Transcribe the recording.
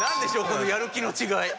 このやる気の違い。